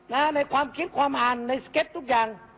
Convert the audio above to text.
ในความคิดความอ่านในสเก็ตทุกอย่าง